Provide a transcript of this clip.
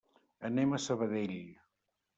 Anem a Sabadell.